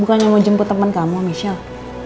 bukannya mau jemput teman kamu michelle